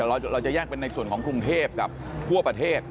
เราจะแยกเป็นในส่วนของกรุงเทพกับทั่วประเทศ